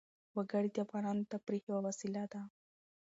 وګړي د افغانانو د تفریح یوه وسیله ده.